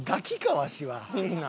わしは。